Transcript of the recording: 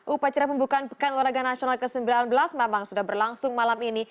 upacara pembukaan pekan olahraga nasional ke sembilan belas memang sudah berlangsung malam ini